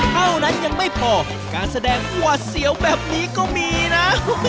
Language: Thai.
เท่านั้นยังไม่พอการแสดงหวาดเสียวแบบนี้ก็มีนะ